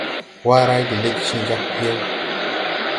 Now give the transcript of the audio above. Waray de lɛd cẽẽ jag piyɛw.